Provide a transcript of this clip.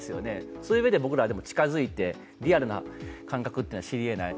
そういう意味で、我々は近づいてリアルな目というのは知りえない。